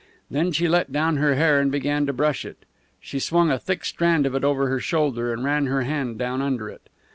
Then she let down her hair and began to brush it. She swung a thick strand of it over her shoulder and ran her hand down under it.